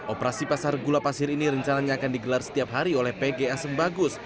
operasi pasar gula pasir ini rencananya akan digelar setiap hari oleh pgasem bagus